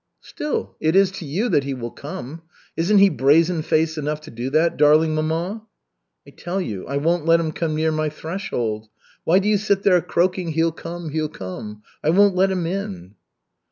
"Still, it is to you that he will come. Isn't he brazen faced enough to do that, darling mamma?" "I tell you, I won't let him come near my threshold. Why do you sit there croaking, 'he'll come, he'll come?' I won't let him in."